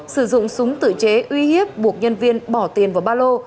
sử dụng súng tự chế uy hiếp buộc nhân viên bỏ tiền vào ba lô